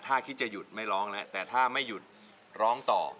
ถ้าคิดจะหยุดไม่ร้องแล้วแต่ถ้าไม่หยุดร้องต่อ